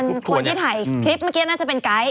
ทุกคนที่ถ่ายคลิปมันน่าจะเป็นไกด์